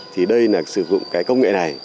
thì đây là sử dụng công nghệ này